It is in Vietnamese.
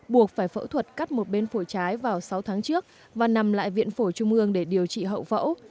buộc phải phẫu thuật cắt một bên phổi trái vào sáu tháng trước và nằm lại viện phổi trung ương để điều trị hậu phẫu